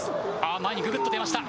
前にぐぐっと出ました。